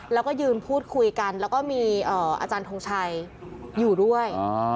แล้วก็ยืนพูดคุยกันแล้วก็มีอาจารย์ทงชัยอยู่ด้วย